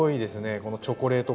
このチョコレート感が。